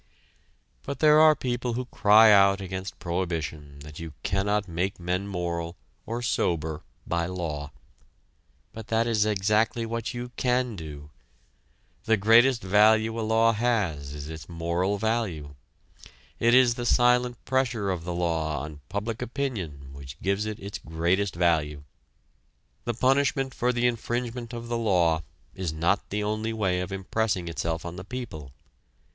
But there are people who cry out against prohibition that you cannot make men moral, or sober, by law. But that is exactly what you can do. The greatest value a law has is its moral value. It is the silent pressure of the law on public opinion which gives it its greatest value. The punishment for the infringement of the law is not its only way of impressing itself on the people.